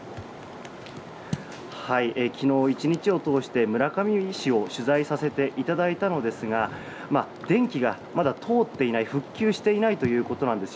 昨日１日を通して村上市を取材させていただいたのですが電気がまだ通っていない復旧していないということです。